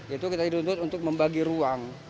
itu kita dituntut untuk membagi ruang